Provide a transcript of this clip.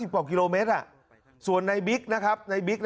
๓๐กว่ากิโลเมตรส่วนในบิ๊กนะครับ